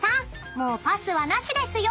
もうパスはなしですよ］